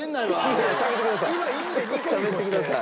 しゃべってください。